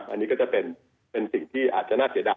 อันนี้ก็จะเป็นสิ่งที่อาจจะน่าเสียดาย